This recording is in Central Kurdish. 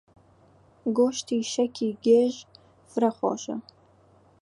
گۆشتی شەکی گێژ فرە خۆشە.